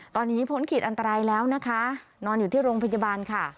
ตอนนี้พ้นขีดอันตรายแล้วนะคะนอนอยู่ที่โรงพยาบาลค่ะ